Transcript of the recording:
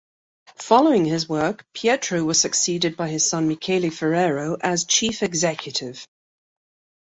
Following his work, Pietro was succeeded by his son Michele Ferrero as chief executive.